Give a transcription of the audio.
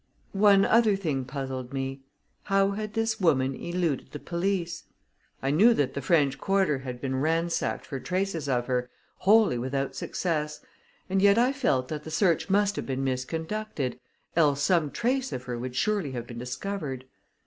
One other thing puzzled me. How had this woman eluded the police? I knew that the French quarter had been ransacked for traces of her, wholly without success, and yet I felt that the search must have been misconducted, else some trace of her would surely have been discovered.